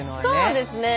そうですね。